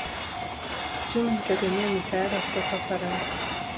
Uchumi hutegemea misaada kutoka Ufaransa.